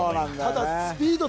ただスピード